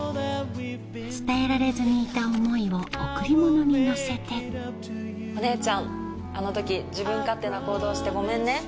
伝えられずにいた思いをおくりものに乗せてお姉ちゃんあの時自分勝手な行動をしてごめんね。